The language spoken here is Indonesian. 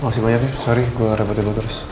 makasih banyak ya sorry gue rebati lo terus